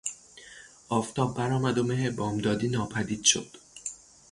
آفتاب برآمد و مه بامدادی ناپدید شد.